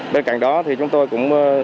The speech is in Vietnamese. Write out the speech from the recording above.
bên cạnh đó chúng tôi cũng